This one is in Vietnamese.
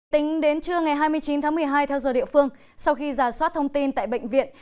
tính đến trưa ngày hai mươi chín tháng một mươi hai theo giờ địa phương sau khi giả soát thông tin tại bệnh viện